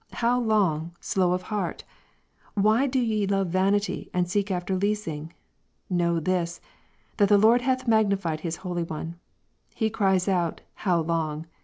How long, slow of heart ? why do ye love vanity, and seek after leasing ? Know this, that the Lord hath magnified His Holy One. He cries out, How long